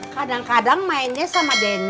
kadang kadang mainnya sama deni